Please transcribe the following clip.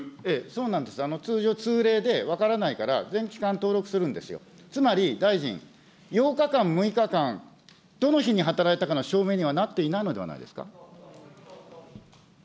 そうなんです、通常、通例で分からないから、全期間登録するんですよ、つまり大臣、８日間、６日間、どの日に働いたかの証明にはなっていないのではないですか。